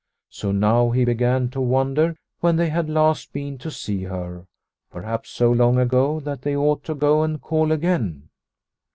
So now he began to wonder when they had last been to see her, perhaps so long ago that they ought to go and call again.